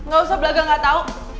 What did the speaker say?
gak usah belagang gak tau